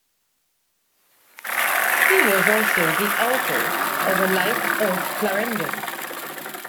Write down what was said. He was also the author of a "Life of Clarendon".